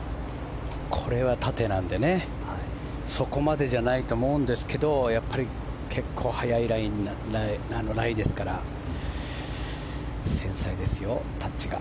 これは縦なのでそこまでじゃないと思うんですけど結構速いラインですから繊細ですよ、タッチが。